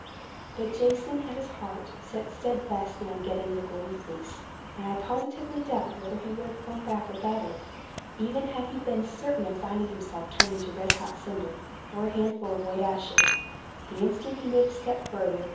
But Jason had set his heart steadfastly on getting the Golden Fleece; and I positively doubt whether he would have gone back without it, even had he been certain of finding himself turned into a red hot cinder, or a handful of white ashes, the instant he made a step farther.